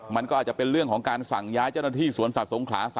มันก็อาจจะเป็นเรื่องของการสั่งย้ายเจ้าหน้าที่สวนสัตว์สงขลา๓